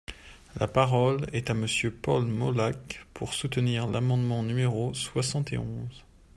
La parole est à Monsieur Paul Molac, pour soutenir l’amendement numéro soixante et onze.